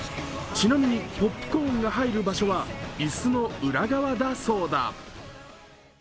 ちなみにポップコーンが入る場所は椅子の裏側だそうだ。